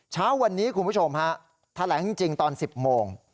เช้าวันนี้คุณผู้ชมฮะแถลงจริงตอน๑๐โมง